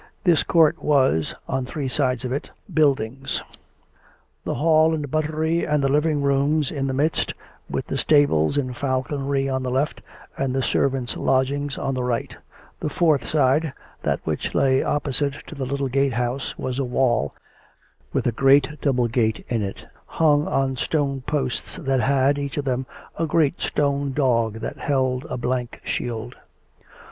This court was, on three sides of it, buildings; the hall and the buttery and the living rooms in the midst, with the stables and falconry on the COME RACK! COME ROPE! 17 left, and the servants' lodgings on the right; the fourth sride, that which lay opposite to the little gate house, was a wall, with a great double gate in it, hung on stone posts that had, each of them, a great stone dog that held a blank shield.